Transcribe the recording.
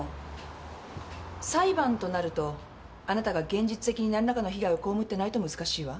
裁判となるとあなたが現実的に何らかの被害を被ってないと難しいわ。